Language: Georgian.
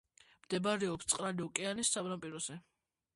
მდებარეობს წყნარი ოკეანის სანაპიროზე.